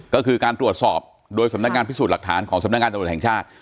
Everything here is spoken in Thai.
ก็คือการตรวจสอบโดยสำนักงานพิสูจน์หลักฐานของสำนักงานตำรวจแห่งชาติ